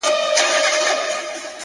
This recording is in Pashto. چا ویل دا چي ـ ژوندون آسان دی ـ